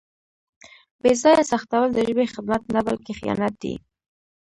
بې ځایه سختول د ژبې خدمت نه بلکې خیانت دی.